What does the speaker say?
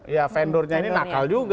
ya vendornya ini nakal juga